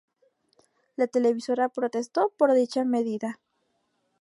La televisora protestó por dicha medida.